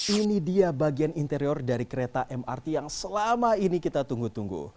ini dia bagian interior dari kereta mrt yang selama ini kita tunggu tunggu